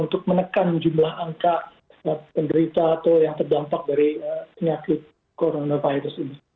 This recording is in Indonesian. untuk menekan jumlah angka penderita atau yang terdampak dari penyakit coronavirus ini